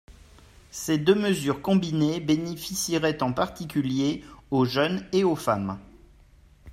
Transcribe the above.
Ces deux mesures combinées bénéficieraient en particulier aux jeunes et aux femmes.